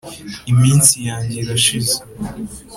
“iminsi yanjye irashize,